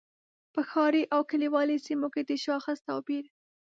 په ښاري او کلیوالي سیمو کې د شاخص توپیر.